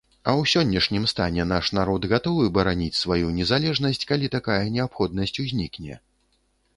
А ў сённяшнім стане наш народ гатовы бараніць сваю незалежнасць, калі такая неабходнасць узнікне?